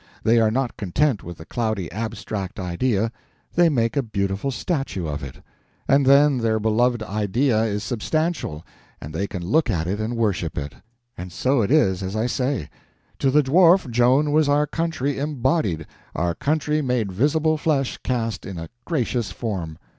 They are not content with the cloudy abstract idea, they make a beautiful statue of it, and then their beloved idea is substantial and they can look at it and worship it. And so it is as I say; to the Dwarf, Joan was our country embodied, our country made visible flesh cast in a gracious form.